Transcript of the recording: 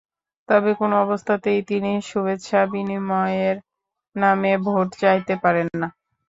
তবে কোনো অবস্থাতেই তিনি শুভেচ্ছা বিনিময়ের নামে ভোট চাইতে পারেন না।